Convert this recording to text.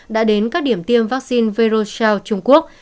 đã đến các điểm tiêm vaccine veroshout trung quốc